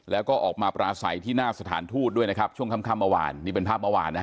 แล้วก็ออกมาปราศัยที่หน้าสถานทูตด้วยนะครับช่วงค่ำเมื่อวานนี่เป็นภาพเมื่อวานนะฮะ